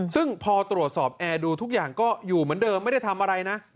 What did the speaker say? ซึ่งพอตรวจสอบแอร์ดูทุกอย่างก็อยู่เหมือนเดิมไม่ได้ทำอะไรนะ